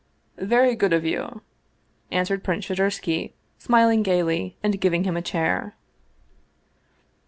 " Very good of you," answered Prince Shadursky, smil ing gayly, and giving him a chair.